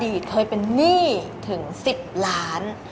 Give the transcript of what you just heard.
เคยเป็นหนี้ถึง๑๐ล้าน